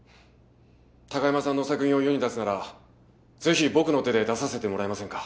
高山さんの作品を世に出すならぜひ僕の手で出させてもらえませんか？